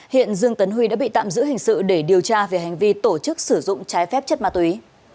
hiện dương tấn huy đã bị tạm giữ hình sự để điều tra về hành vi tổ chức sử dụng trái phép chất ma túy